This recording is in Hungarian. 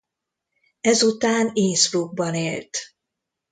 Ezután Innsbruckban élt.